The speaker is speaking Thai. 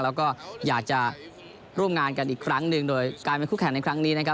แล้วก็อยากจะร่วมงานกันอีกครั้งหนึ่งโดยการเป็นคู่แข่งในครั้งนี้นะครับ